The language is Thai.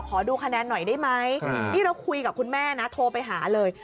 ขอดูคะแนนหน่อยได้ไหมนี่เราคุยกับคุณแม่นะโทรไปหาเลย